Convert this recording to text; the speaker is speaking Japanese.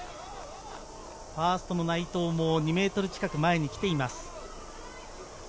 ファースト・内藤も２ｍ近く前に来ています。